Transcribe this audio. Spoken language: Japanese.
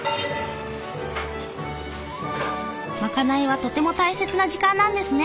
まかないはとても大切な時間なんですね。